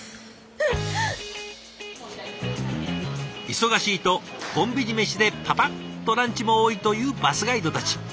忙しいとコンビニ飯でパパッとランチも多いというバスガイドたち。